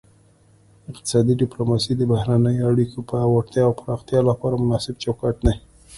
اقتصادي ډیپلوماسي د بهرنیو اړیکو پیاوړتیا او پراختیا لپاره مناسب چوکاټ دی